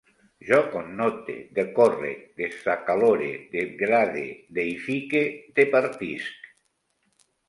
Jo connote, decórrec, desacalore, degrade, deïfique, departisc